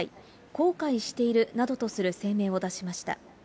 後悔しているなどとする声明を出しました。